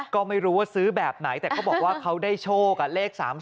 ก็ไม่รู้ว่าซื้อแบบไหนแต่เขาบอกว่าเขาได้โชคเลข๓๔